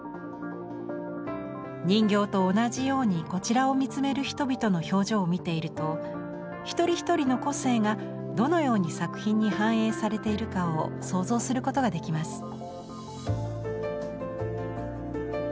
人形と同じようにこちらを見つめる人々の表情を見ていると一人一人の個性がどのように作品に反映されているかを想像することができます。